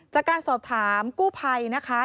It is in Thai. จากการสอบถามกู้ภัยนะคะ